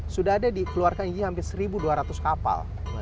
sudah ada dikeluarkan ini hampir seribu dua ratus kapal